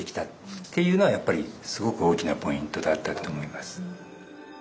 っていうのはやっぱりすごく大きなポイントだったと思います。